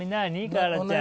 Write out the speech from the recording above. カーラちゃん。